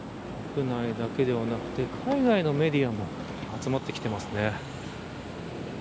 国内だけではなくて海外のメディアも集まってきてますね。